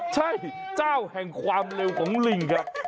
ใช่เจ้าแห่งความเร็วของลิงครับ